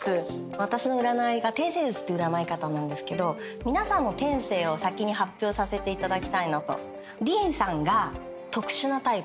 私の占いが天星術っていう占い方なんですけど皆さんの天星を先に発表させていただきたいなと。